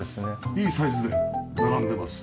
いいサイズで並んでます。